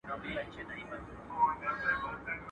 که خس يم، د تا بس يم.